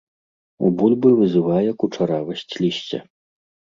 У бульбы вызывае кучаравасць лісця.